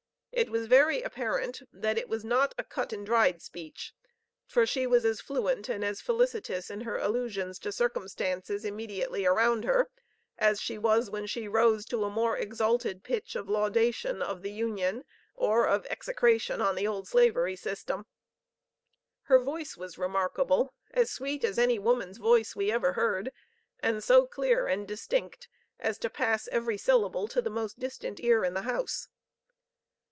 It was very apparent that it was not a cut and dried speech, for she was as fluent and as felicitous in her allusions to circumstances immediately around her as she was when she rose to a more exalted pitch of laudation of the "Union," or of execration of the old slavery system. Her voice was remarkable as sweet as any woman's voice we ever heard, and so clear and distinct as to pass every syllable to the most distant ear in the house.